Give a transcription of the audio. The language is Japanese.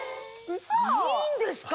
いいんですか？